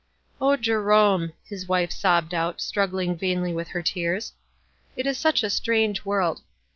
"O Jerome !" his wife sobbed out, struggling vainly with her tears, "it is such a strange world